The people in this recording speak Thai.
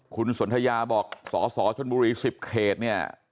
คุณสนทยาบอกสสชนบุรี๑๐เขตเนี่ย